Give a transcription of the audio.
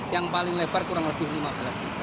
yang paling lebar kurang lebih lima belas